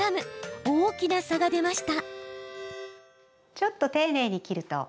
大きな差が出ました。